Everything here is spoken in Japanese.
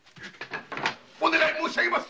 お願い申し上げます。